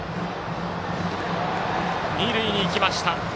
二塁にいきました。